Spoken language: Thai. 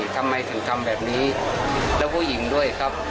ทำไมถึงทำแบบนี้แล้วผู้หญิงด้วยครับ